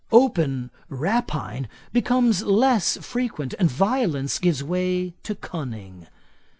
Open rapine becomes less frequent, and violence gives way to cunning.